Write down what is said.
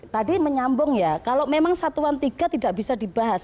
tadi menyambung ya kalau memang satuan tiga tidak bisa dibahas